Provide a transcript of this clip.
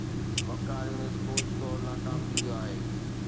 وقار Younis coach طور ناڪام ٿي ويو آهي.